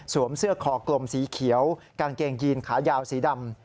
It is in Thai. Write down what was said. เสื้อคอกลมสีเขียวกางเกงยีนขายาวสีดำ